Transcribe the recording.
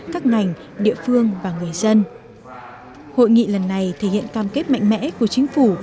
các ngành địa phương và người dân hội nghị lần này thể hiện cam kết mạnh mẽ của chính phủ